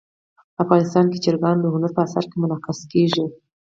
افغانستان کې چرګان د هنر په اثار کې منعکس کېږي.